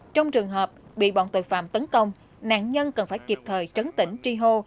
trong trường hợp bị bọn tội phạm tấn công nạn nhân cần phải kịp thời trấn tỉnh tri hô